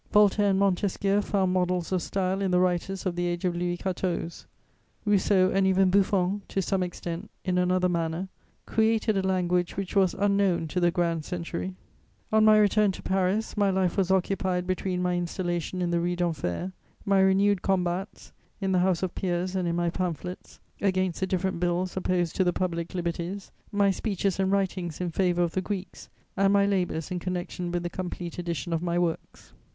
Voltaire and Montesquieu found models of style in the writers of the age of Louis XIV.; Rousseau, and even Buffon to some extent, in another manner, created a language which was unknown to the Grand Century." On my return to Paris, my life was occupied between my installation in the Rue d'Enfer, my renewed combats, in the House of Peers and in my pamphlets, against the different Bills opposed to the public liberties, my speeches and writings in favour of the Greeks, and my labours in connection with the complete edition of my Works.